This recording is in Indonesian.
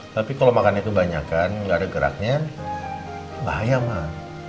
tapi kalau makan yang kebanyakan gak ada geraknya bahaya mah